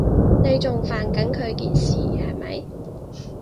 你仲煩緊佢件事，係咪？